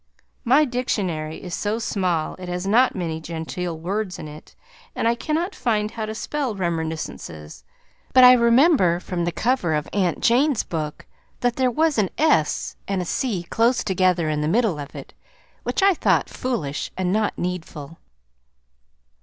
My dictionary is so small it has not many genteel words in it, and I cannot find how to spell Remerniscences, but I remember from the cover of Aunt Jane's book that there was an "s" and a "c" close together in the middle of it, which I thought foolish and not needful.